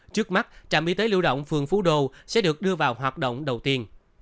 trước mắt trạm y tế lưu động phường phú đô sẽ được đưa vào hoạt động đầu tiên